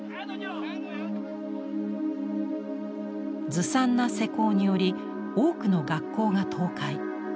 ずさんな施工により多くの学校が倒壊。